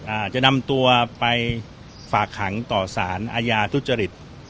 อาจจะนำตัวไปฝากขังต่อสารอาญาทุจริต